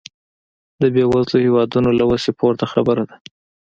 د بېوزلو هېوادونو له وسې پورته خبره ده.